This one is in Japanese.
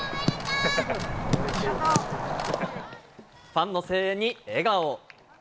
ファンの声援に笑顔。